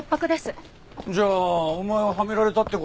じゃあお前ははめられたって事か。